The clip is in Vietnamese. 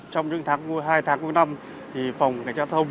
trong những tháng hai tháng năm phòng cảnh sát giao thông